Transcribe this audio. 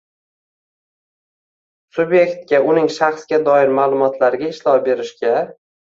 subyektga uning shaxsga doir ma’lumotlariga ishlov berishga